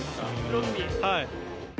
はい。